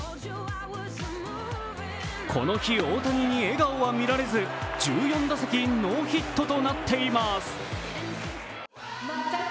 この日、大谷に笑顔は見られず１４打席ノーヒットとなっています。